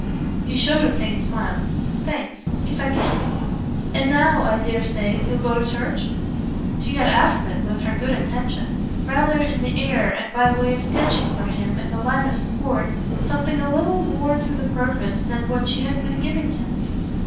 He showed a faint smile. "Thanks. If I can." "And now I dare say you'll go to church?" She had asked it, with her good intention, rather in the air and by way of sketching for him, in the line of support, something a little more to the purpose than what she had been giving him.